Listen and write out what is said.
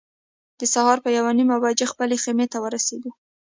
د سهار په یوه نیمه بجه خپلې خیمې ته ورسېدو.